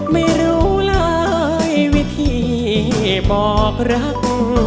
ไม่รู้เลยวิธีบอกรัก